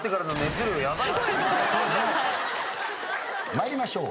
参りましょう。